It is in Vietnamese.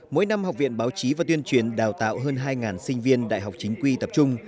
mỗi năm học viện báo chí và tuyên truyền đào tạo hơn hai sinh viên đại học chính quy tập trung